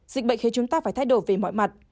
dịch bệnh khiến chúng ta phải thay đổi về mọi mặt